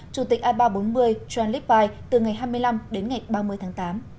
chủ tịch i ba trăm bốn mươi john lippe từ ngày hai mươi năm đến ngày ba mươi tháng tám